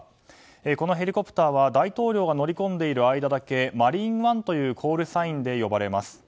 このヘリコプターは大統領が乗り込んでいる間だけ「マリーンワン」というコールサインで呼ばれます。